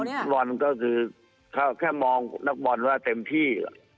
เราทำบอลก็คือแค่มองนักบอลเต็มที่